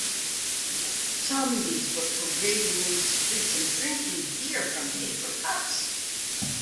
Zombies were parading in the streets and drinking beer from paper cups.